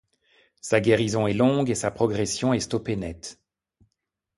Sa guérison est longue et sa progression est stoppée net.